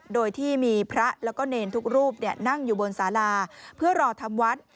โดยที่มีพระแล้วก็เนรทุกรูปนั่งอยู่บนสาราเพื่อรอทำวัด